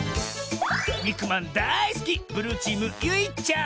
にくまんだいすきブルーチームゆいちゃん。